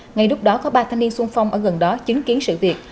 ngay lúc đó có ba thanh niên sung phong ở gần đó chứng kiến sự việc